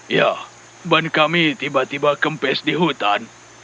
ya ban kami tiba tiba kempes di hutan